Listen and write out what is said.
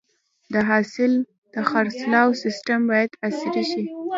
د حاصل د خرڅلاو سیستم باید عصري شي.